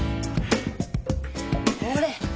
ほれ。